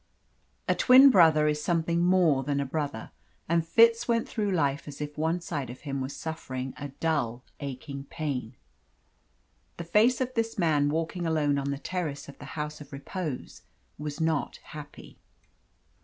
A twin brother is something more than a brother, and Fitz went through life as if one side of him was suffering a dull, aching pain. The face of this man walking alone on the terrace of the House of Repose was not happy.